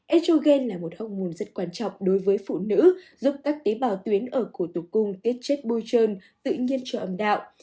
estrogen là một hốc môn rất quan trọng đối với phụ nữ giúp các tế bào tuyến ở cổ tục cung kết chết bôi trơn tự nhiên trở âm đạo